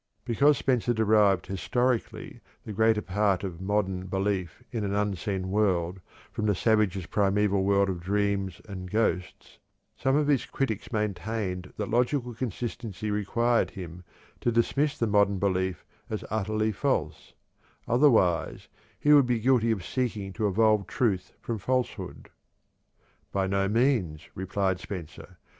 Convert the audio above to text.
Because Spencer derived historically the greater part of modern belief in an Unseen World from the savage's primeval world of dreams and ghosts, some of his critics maintained that logical consistency required him to dismiss the modern belief as utterly false; otherwise he would be guilty of seeking to evolve truth from falsehood. 'By no means,' replied Spencer.